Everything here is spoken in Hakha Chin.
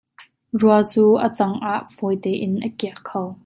Rua cu a cang ah fawi tein a kiak kho.